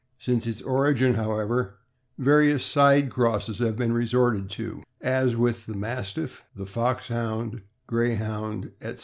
Since its origin, however, various side crosses have been resorted to, as with the Mastiff, the Foxhound, Greyhound, etc.